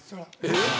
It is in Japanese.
えっ！